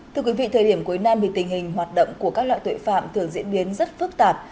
thưa quý vị thời điểm cuối năm thì tình hình hoạt động của các loại tội phạm thường diễn biến rất phức tạp